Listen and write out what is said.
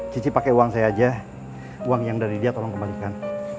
cici pakai uang saya aja uang yang dari dia tolong kembalikan